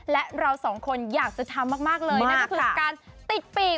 และเราสองคนอยากจะทำมากเลยนั่นก็คือการติดปีก